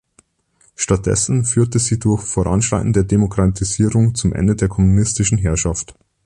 Stattdessen führte sie durch Voranschreiten der Demokratisierung zum Ende der kommunistischen Herrschaft.